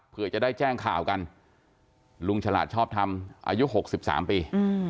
เพื่อจะได้แจ้งข่าวกันลุงฉลาดชอบทำอายุ๖๓ปี